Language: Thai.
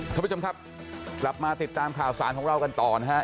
ท่านผู้ชมครับกลับมาติดตามข่าวสารของเรากันต่อนะฮะ